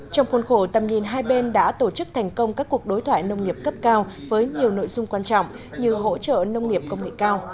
trong khuôn khổ tầm nhìn hai bên đã tổ chức thành công các cuộc đối thoại nông nghiệp cấp cao với nhiều nội dung quan trọng như hỗ trợ nông nghiệp công nghệ cao